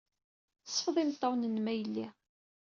Sfeḍ imeṭṭawen-nnem, a yelli.